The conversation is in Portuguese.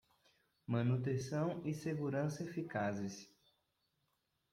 Manutenção e segurança eficazes